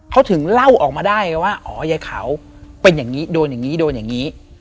เขาถึงเล่าออกมาได้ไงว่าอ๋อยายขาวเป็นอย่างนี้โดนอย่างนี้โดนอย่างนี้